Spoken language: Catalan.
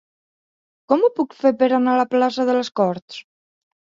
Com ho puc fer per anar a la plaça de les Corts?